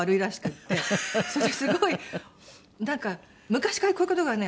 そしてすごいなんか「昔からこういう事がね